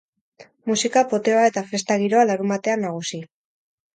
Musika, poteoa eta festa giroa, larunbatean nagusi!